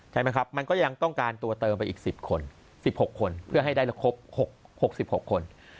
ใช่ไหมครับมันก็ยังต้องการตัวเติมไปอีก๑๐คน๑๖คนเพื่อให้ได้ครบ๖๖คน